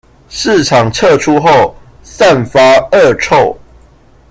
市場撤出後散發惡臭